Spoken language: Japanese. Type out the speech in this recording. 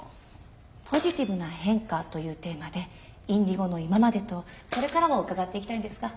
「ポジティブな変化」というテーマでＩｎｄｉｇｏの今までとこれからを伺っていきたいんですが。